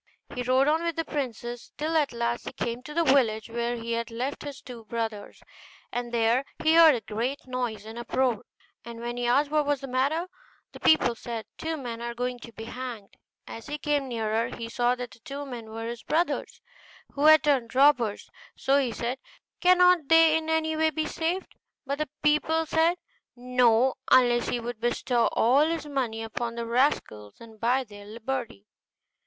He rode on with the princess, till at last he came to the village where he had left his two brothers. And there he heard a great noise and uproar; and when he asked what was the matter, the people said, 'Two men are going to be hanged.' As he came nearer, he saw that the two men were his brothers, who had turned robbers; so he said, 'Cannot they in any way be saved?' But the people said 'No,' unless he would bestow all his money upon the rascals and buy their liberty.